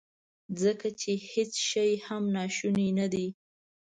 ځکه چې هیڅ شی هم ناشونی ندی.